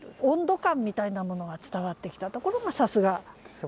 温度感みたいなものが伝わってきたところがさすが。